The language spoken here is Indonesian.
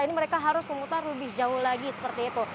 ini mereka harus memutar lebih jauh lagi seperti itu